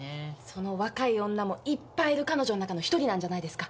その若い女もいっぱいいる彼女の中の一人なんじゃないですか？